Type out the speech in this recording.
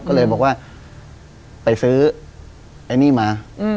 ก็เลยบอกว่าไปซื้อไอ้นี่มา